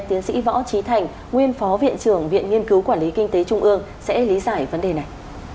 tiến sĩ võ trí thành nguyên phó viện trưởng viện nghiên cứu quản lý kinh tế trung ương sẽ lý giải vấn đề này